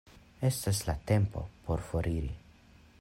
Estas la tempo por foriri.